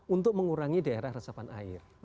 untuk mengurangi daerah resapan air